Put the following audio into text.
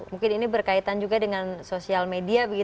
mungkin ini berkaitan juga dengan sosial media